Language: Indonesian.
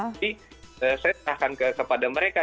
jadi saya serahkan kepada mereka